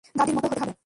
দাদির মতো হতে হবে।